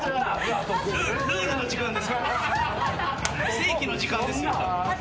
正規の時間ですよ。